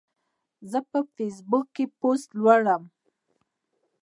زه په فیسبوک کې پوسټ لولم.